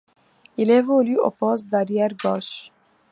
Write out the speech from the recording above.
Il évolue au poste d'arrière gauche.